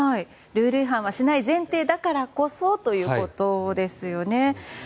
ルール違反はしない前提だからこそということですよね。